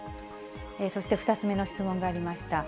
そして、２つ目の質問がありました。